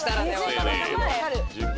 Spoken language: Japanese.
分かるよ。